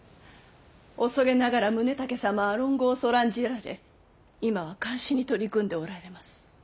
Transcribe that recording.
恐れながら宗武様は論語をそらんじられ今は漢詩に取り組んでおられます。